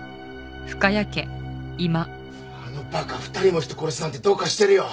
あの馬鹿２人も人殺すなんてどうかしてるよ。